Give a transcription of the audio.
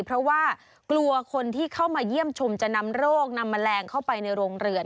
เพราะว่ากลัวคนที่เข้ามาเยี่ยมชมจะนำโรคนำแมลงเข้าไปในโรงเรือน